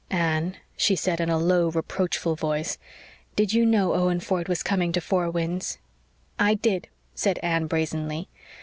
"Anne," she said in a low, reproachful voice, "did you know Owen Ford was coming to Four Winds?" "I did," said Anne brazenly.